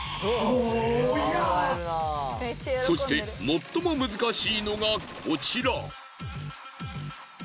そして最も難しいのがこちら。